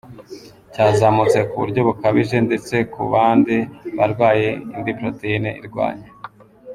cyazamutse kuburyo bukabije ndetse kubandi barwayi indi proteine irwanya